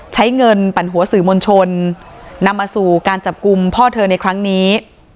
ใช้เงินปั่นหัวสื่อมวลชนนำมาสู่การจับกลุ่มพ่อเธอในครั้งนี้